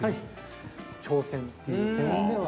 っていう点では。